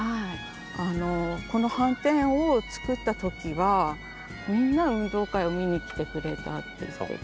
あのこのはんてんを作った時はみんな運動会を見に来てくれたって言ってて。